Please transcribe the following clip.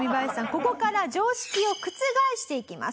ここから常識を覆していきます。